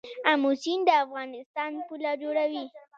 امو سیند د افغانستان پوله جوړوي.